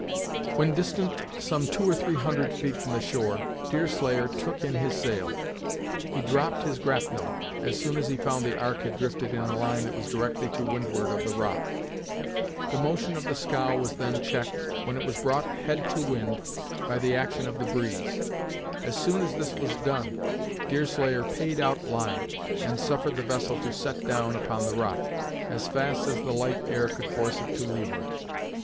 When distant some two or three hundred feet from the shore, Deerslayer took in his sail. He dropped his grapnel, as soon as he found the Ark had drifted in a line that was directly to windward of the rock. The motion of the scow was then checked, when it was brought head to wind, by the action of the breeze. As soon as this was done, Deerslayer "paid out line," and suffered the vessel to "set down" upon the rock, as fast as the light air could force it to leeward.